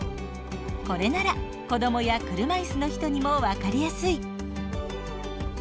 これなら子どもや車いすの人にも分かりやすい。